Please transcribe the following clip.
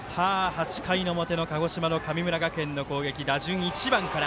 ８回の表の鹿児島の神村学園の攻撃、打順は１番から。